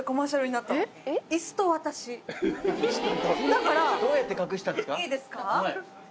だからいいですか？